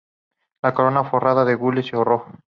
La corona, forrada de gules o rojo.